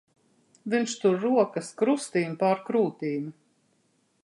Viņš tur rokas krustīm pār krūtīm.